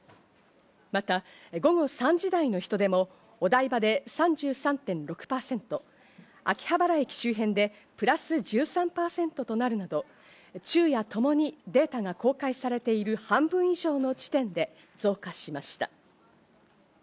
また午後３時台の人出もお台場で３３．６％、秋葉原駅周辺でプラス１３％となるなど、昼夜ともにデータが公開されている半分以上の地点で増加しました。